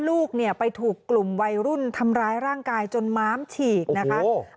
ลูกเนี่ยไปถูกกลุ่มวัยรุ่นทำร้ายร่างกายจนม้ามฉีกนะคะ